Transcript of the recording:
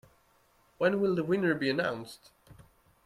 When will the winner be announced?